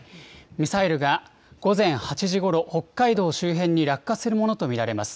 ミサイルが午前８時ごろ、北海道周辺に落下するものと見られます。